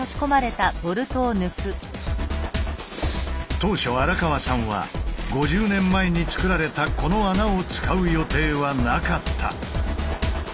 当初荒川さんは５０年前につくられたこの穴を使う予定はなかった。